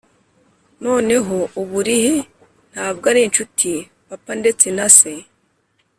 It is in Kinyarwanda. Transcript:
noneho ubu urihe, ntabwo ari inshuti, papa, ndetse na se.